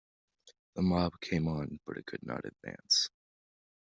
The mob came on, but it could not advance.